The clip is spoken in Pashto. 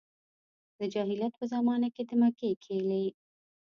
د جاهلیت په زمانه کې د مکې کیلي.